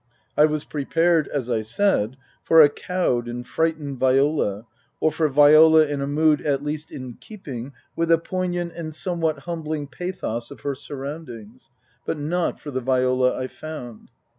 I was prepared, as I said, for a cowed and frightened Viola, or for Viola in a mood at least in keeping with the poignant and somewhat humbling pathos of her sur roundings ; but not for the Viola I found.